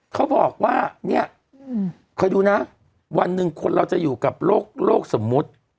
เขาบอกว่าเนี่ยคอยดูนะวันหนึ่งคนเราจะอยู่กับโรคสมมุติ